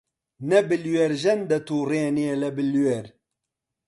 نە بلوێرژەن دەتووڕێنێ لە بلوێر